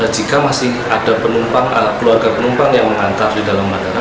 jika masih ada penumpang keluarga penumpang yang mengantar di dalam bandara